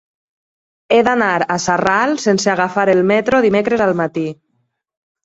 He d'anar a Sarral sense agafar el metro dimecres al matí.